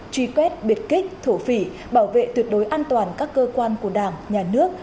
truy quét biệt kích thổ phỉ bảo vệ tuyệt đối an toàn các cơ quan của đảng nhà nước